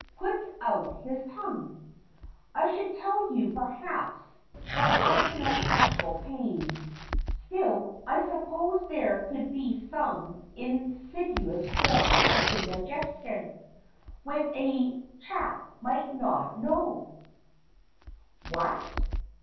(Puts out his tongue.) I should tell you, perhaps, that I've no actual pain. Still, I suppose there could be some in sidious form of indigestion, when a chap might not know What?